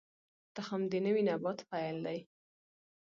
تخم د نوي نبات پیل دی